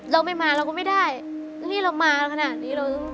เราไม่มาเราก็ไม่ได้นี่เรามาขนาดนี้เรา